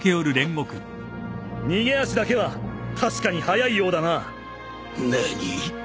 逃げ足だけは確かに速いようだな。何ぃ？